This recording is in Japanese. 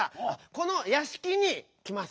この「やしきに」きます。